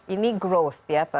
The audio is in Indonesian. ini growth ya